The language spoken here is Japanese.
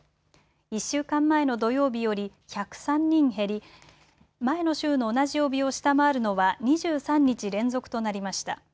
１週間前の土曜日より１０３人減り前の週の同じ曜日を下回るのは２３日連続となりました。